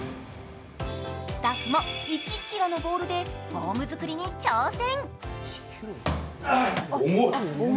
スタッフも１ｋｇのボールでフォーム作りに挑戦。